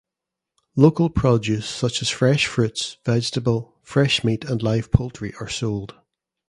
Local produce such as fresh fruits, vegetable, fresh meat and live poultry are sold.